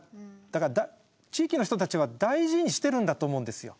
だから地域の人たちは大事にしてるんだと思うんですよ。